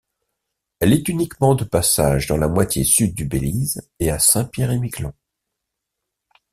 Elle est uniquement de passage dans la moitié sud du Belize et à Saint-Pierre-et-Miquelon.